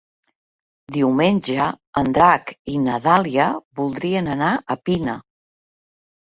Diumenge en Drac i na Dàlia voldrien anar a Pina.